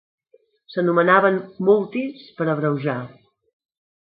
S'anomenaven "Multis" per abreujar.